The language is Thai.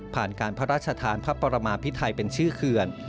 การพระราชทานพระปรมาพิไทยเป็นชื่อเขื่อน